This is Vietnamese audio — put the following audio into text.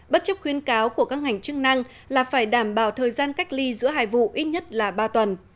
bất chấp khuyến cáo của các ngành chức năng là phải đảm bảo thời gian cách ly giữa hai vụ ít nhất là ba tuần